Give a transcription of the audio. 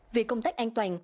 vì công tác an toàn